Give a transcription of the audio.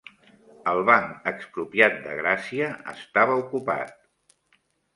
El Banc Expropiat de Gràcia estava ocupat